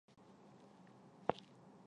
晚明阉党官员。